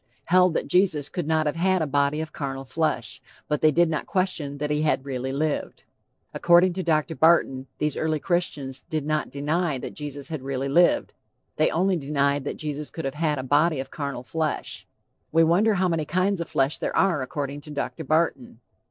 held that Jesus could not have had a body of carnal flesh; but they did not question that he had really lived." According to Dr. Barton, these early Christians did not deny that Jesus had really lived, they only denied that Jesus could have had a body of carnal flesh. We wonder how many kinds of flesh there are according to Dr. Barton.